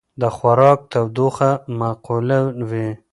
د خوراک تودوخه معقوله وي.